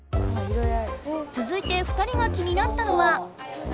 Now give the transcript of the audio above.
つづいて２人が気になったのは。